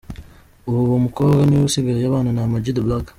Uwo mukobwa niwe usigaye abana na Am G The Black.